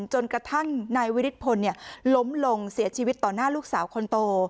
จนกระทั่งนายวิริพลล้มลงเสียชีวิตต่อหน้าลูกสาวคนโต